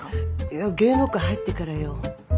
いや芸能界入ってからよ。